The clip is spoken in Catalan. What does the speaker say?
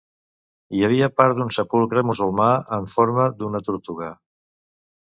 Hi havia part d'un sepulcre musulmà en forma d'una tortuga.